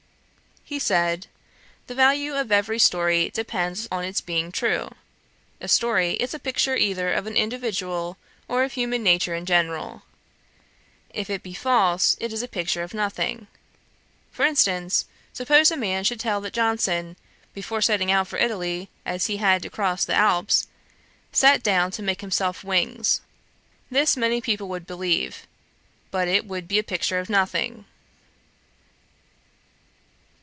He said, 'The value of every story depends on its being true. A story is a picture either of an individual or of human nature in general: if it be false, it is a picture of nothing. For instance: suppose a man should tell that Johnson, before setting out for Italy, as he had to cross the Alps, sat down to make himself wings. This many people would believe; but it would be a picture of nothing.